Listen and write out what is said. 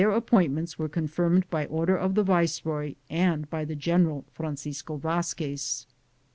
appointments were confirmed by order of the viceroy and by the general, Francisco Vazquez.